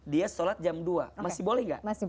dia sholat jam dua masih boleh nggak